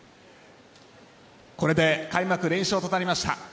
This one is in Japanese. これで開幕連勝となりました。